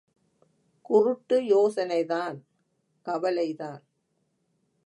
குருட்டு யோசனைதான் கவலைதான்.